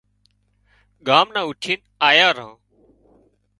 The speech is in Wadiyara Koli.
ڳام نان اُوٺينَ آيان ران